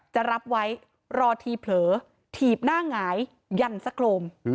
จะรับไว้รอทีเผลอถีบหน้าหงายยันสะโครม